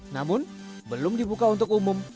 namun belum dibuka untuk umum